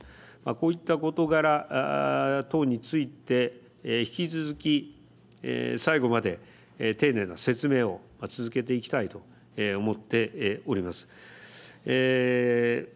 こういった事柄等について引き続き最後まで丁寧な説明を続けていきたいと思っております。